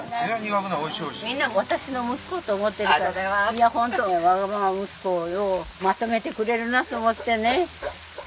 いやホントわがまま息子をようまとめてくれるなと思ってね。